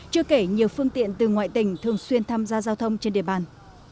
chưa kể nhiều phương tiện từ ngoại tỉnh thường xuyên tham gia giao thông trên địa bàn